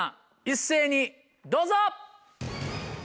一斉にどうぞ！